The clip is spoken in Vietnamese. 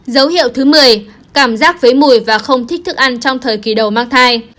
dấu hiệu thứ một mươi cảm giác với mùi và không thích thức ăn trong thời kỳ đầu mang thai